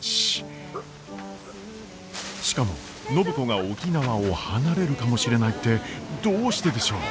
しかも暢子が沖縄を離れるかもしれないってどうしてでしょう？